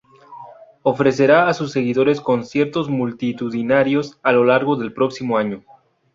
Ofrecerá a sus seguidores conciertos multitudinarios a lo largo del año próximo.